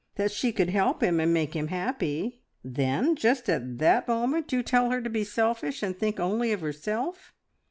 that she could help him and make him happy, then just at that moment you tell her to be selfish and think only of herself.